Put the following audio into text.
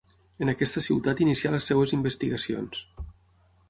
En aquesta ciutat inicià les seves investigacions.